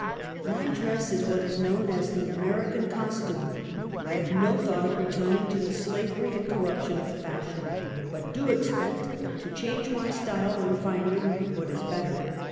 My dress is what is known as the American Cos tume. I have no thought of returning to the slavery and corruption of Fashion, but do expect to change my style when finding what is better.